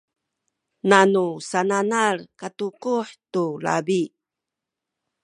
nanu sananal katukuh tu labi